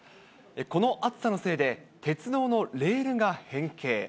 この暑さのせいで、鉄道のレールが変形。